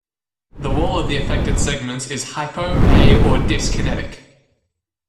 The wall of the affected segments is hypo-, a-, or dyskinetic.